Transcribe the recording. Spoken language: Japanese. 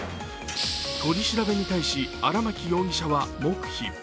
取り調べに対し荒巻容疑者は黙秘。